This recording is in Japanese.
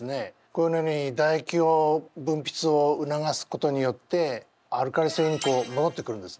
このようにだ液を分泌を促すことによってアルカリ性にこうもどってくるんですね。